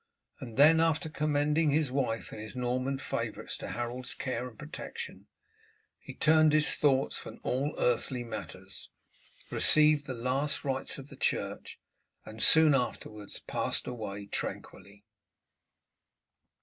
Then, after commending his wife and his Norman favourites to Harold's care and protection, he turned his thoughts from all earthly matters, received the last rites of the church, and soon afterwards passed away tranquilly.